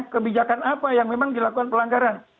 kebijakan apa yang memang dilakukan pelanggaran